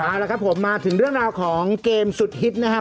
มาแล้วครับผมมาถึงเรื่องราวของเกมสุดฮิตนะฮะ